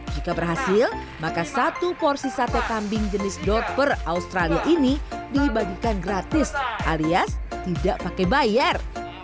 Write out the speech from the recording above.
jika berhasil maka satu porsi sate kambing jenis dotper australia ini dibagikan gratis alias tidak pakai bayar